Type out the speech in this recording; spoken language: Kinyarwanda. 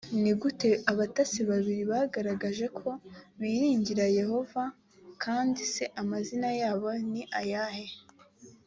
ni gute abatasi babiri bagaragaje ko biringiraga yehova kandi se amazina yabo ni ayahe